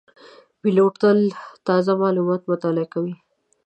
پیلوټ تل تازه معلومات مطالعه کوي.